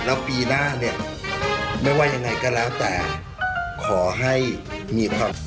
แล้วปีหน้าเนี่ยไม่ว่ายังไงก็แล้วแต่ขอให้มีความสุข